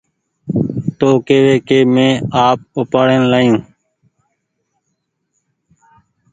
تو ڪيوي ڪي مينٚ آپ اُپآڙين لآيو